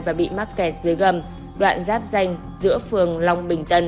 và bị mắc kẹt dưới gầm đoạn giáp danh giữa phường long bình tân